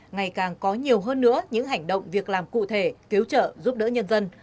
ngày càng có nhiều hơn nữa những hành động việc làm cụ thể cứu trợ giúp đỡ nhân dân